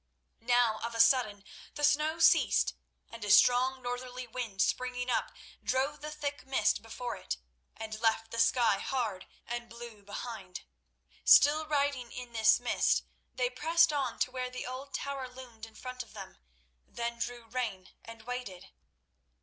Now of a sudden the snow ceased, and a strong northerly wind springing up, drove the thick mist before it and left the sky hard and blue behind. Still riding in this mist, they pressed on to where the old tower loomed in front of them, then drew rein and waited.